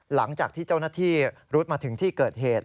หลังจากที่เจ้าหน้าที่รุดมาถึงที่เกิดเหตุ